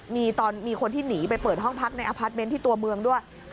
มีตอนมีคนที่หนีไปเปิดห้องพักในอพาร์ทเมนต์ที่ตัวเมืองด้วย